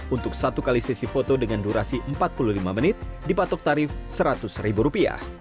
untuk satu kali sesi foto dengan durasi empat puluh lima menit dipatok tarif rp seratus